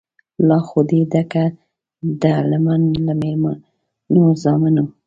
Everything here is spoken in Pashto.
لا خو دي ډکه ده لمن له مېړنو زامنو